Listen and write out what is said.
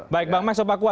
baik bang maksud pakuwa